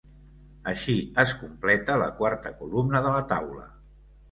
Així es completa la quarta columna de la taula.